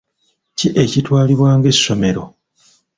Ki ekitwalibwa ng'essomero?